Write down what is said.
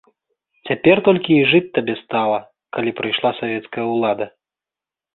Цяпер толькі і жыць табе стала, калі прыйшла савецкая ўлада.